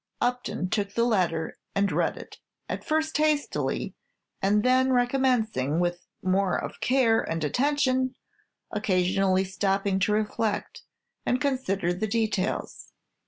Upton took the letter, and read it, at first hastily, and then, recommencing, with more of care and attention, occasionally stopping to reflect, and consider the details.